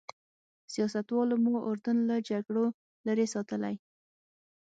سیاستوالو مو اردن له جګړو لرې ساتلی.